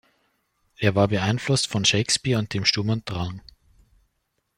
Er war beeinflusst von Shakespeare und dem „Sturm und Drang“.